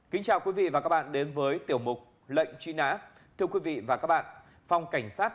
kính chào quý vị và các bạn đến với tiểu mục lệnh truy nã thưa quý vị và các bạn phòng cảnh sát